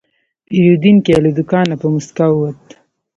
پیرودونکی له دوکانه په موسکا ووت.